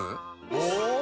お！